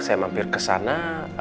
saya mampir kesana